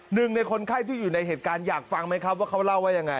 หนึ่งในคนไข้ที่อยู่ในเหตุการณ์อยากฟังไหมครับว่าเขาเล่าว่ายังไง